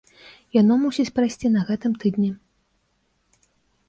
Яно мусіць прайсці на гэтым тыдні.